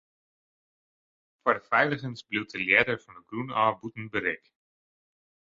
Foar de feiligens bliuwt de ljedder fan 'e grûn ôf bûten berik.